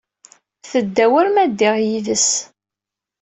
Tedda war ma ddiɣ yid-s.